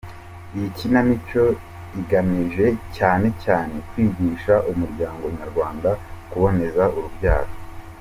Iyi kinamico igamije cyane cyane kwigisha umuryango nyarwanda kuboneza urubyaro.